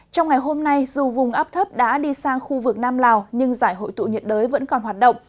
trong ngày hôm nay dù vùng áp thấp đã đi sang khu vực nam lào nhưng giải hội tụ nhiệt đới vẫn còn hoạt động